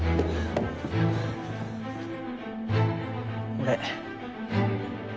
俺。